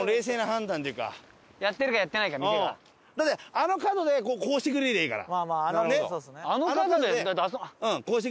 あの角でこうしてくれりゃいいから。